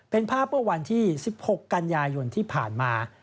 เป็นภาพเมื่อวันที่๑๖กันยายนที่ผ่านมา